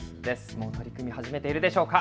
もう取り組み始めているでしょうか。